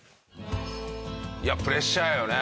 いやプレッシャーよね